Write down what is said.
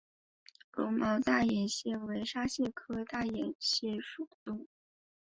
绒毛大眼蟹为沙蟹科大眼蟹属的动物。